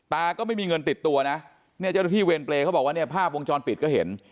ก็ไม่มีเงินติดตัวนะเนี่ยเจ้าหน้าที่เวรเปรย์เขาบอกว่าเนี่ยภาพวงจรปิดก็เห็น